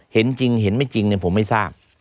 เห็นจริงเห็นไม่จริงผมไม่ทราบ